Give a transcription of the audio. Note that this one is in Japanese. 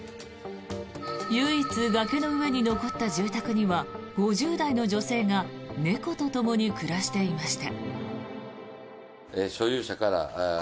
唯一、崖の上に残った住宅には５０代の女性が猫とともに暮らしていました。